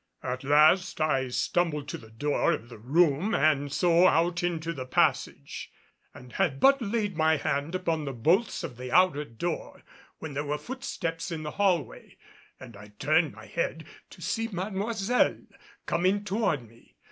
At last I stumbled to the door of the room and so out into the passage, and had but laid my hand upon the bolts of the outer door when there were footsteps in the hallway and I turned my head to see Mademoiselle coming toward me.